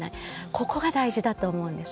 ここが大事だと思うんです。